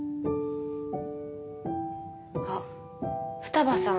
あっ二葉さん